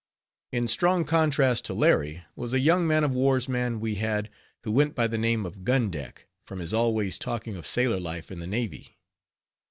In strong contrast to Larry, was a young man of war's man we had, who went by the name of "Gun Deck," from his always talking of sailor life in the navy.